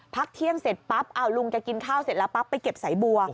พักเที่ยงเสร็จปั๊บลุงแกกินข้าวเสร็จแล้วปั๊บไปเก็บสายบัว